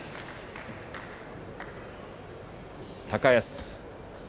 高安。